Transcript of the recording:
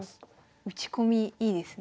打ち込みいいですね。